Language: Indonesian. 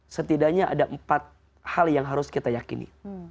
setidaknya ada empat hal yang harus kita yakini